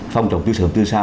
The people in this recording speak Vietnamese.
phòng chống từ sớm từ xa